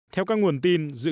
theo các nguồn tin